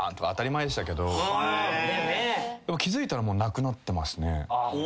でも気付いたらなくなってますね。